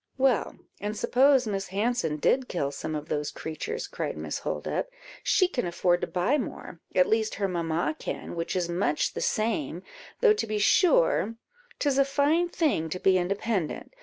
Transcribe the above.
"Well, and suppose Miss Hanson did kill some of those creatures," cried Miss Holdup, "she can afford to buy more; at least, her mamma can, which is much the same; though to be sure, 'tis a fine thing to be independent.